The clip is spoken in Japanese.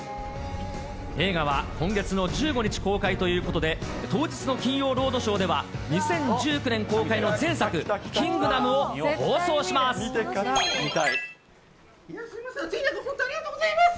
映画は今月の１５日公開ということで、当日の金曜ロードショーでは、２０１９年公開の前作、暑い中、本当にありがとうございます。